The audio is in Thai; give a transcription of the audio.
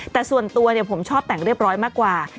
แต่ส่วนตัวผมชอบแต่งเรียบร้อยมากกว่า